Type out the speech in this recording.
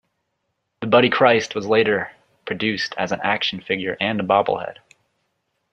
The Buddy Christ was later produced as an action figure and a bobblehead.